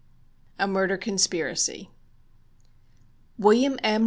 A Murder Conspiracy William M.